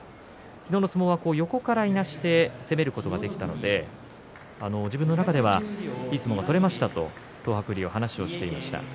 昨日の相撲は横からいなして攻めることができたので自分の中ではいい相撲が取れましたと東白龍、話していました。